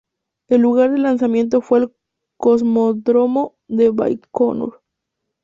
El lugar de lanzamiento fue el cosmódromo de Baikonur.